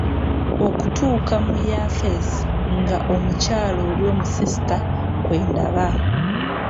Okutuuka mu yafeesi nga omukyala oli omusisita kwe ndaba.